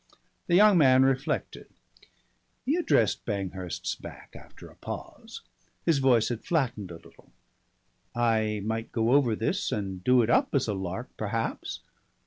The young man reflected. He addressed Banghurst's back after a pause. His voice had flattened a little. "I might go over this and do it up as a lark perhaps.